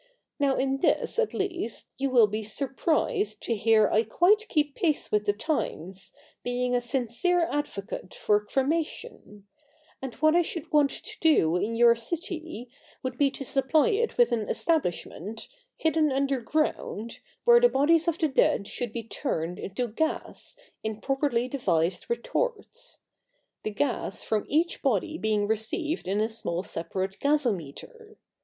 Now in this, at least, you will be surprised to hear I quite keep pace with the times, being a sincere advocate for cremation ; and what I should want to do in your city, would be to supply it with an establishment, hidden underground, where the bodies of the dead should be turned into gas, in properly devised retorts ; the gas from each body being received in a small separate gasometer.